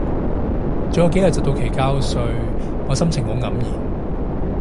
仲有幾日就到期交稅，我心情好黯然